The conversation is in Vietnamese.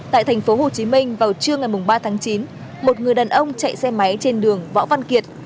tại tp hcm vào trưa ngày ba tháng chín một người đàn ông chạy xe máy trên đường võ văn kiệt